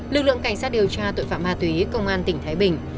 lực lượng cảnh sát điều tra tội phạm ma túy công an tỉnh thái bình